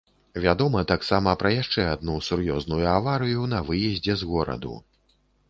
Вядома таксама пра яшчэ адну сур'ёзную аварыю на выездзе з гораду.